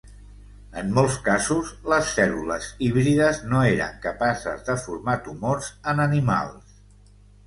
En molts casos, les cèl·lules híbrides no eren capaces de formar tumors en animals.